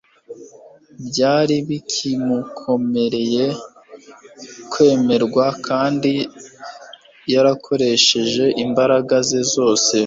Byari bikimukomereye kwemerwa kandi yarakoresheje imbaraga ze zose